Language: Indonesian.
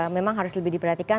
memang harus lebih diperhatikan